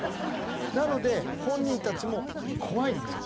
なので本人たちも怖いんですよね。